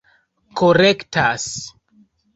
korektas